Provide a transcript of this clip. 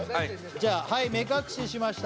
じゃあはい目隠ししました